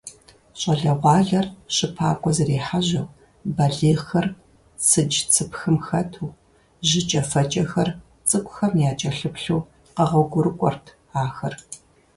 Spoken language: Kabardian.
ЩӀалэгъуалэр щыпакӀуэ зэрехьэжьэу, балигъхэр цыдж–цыпхым хэту, жыкӀэфэкӀэхэр цӀыкӀухэм якӀэлъыплъу къэгъуэгурыкӀуэрт ахэр.